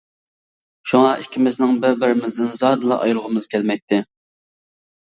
شۇڭا ئىككىمىزنىڭ بىر-بىرىمىزدىن زادىلا ئايرىلغۇمىز كەلمەيتتى.